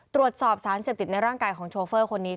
ตรวจสอบสารเสพติดในร่างกายของโชเฟอร์คนนี้